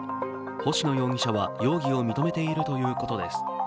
星野容疑者は容疑を認めているということです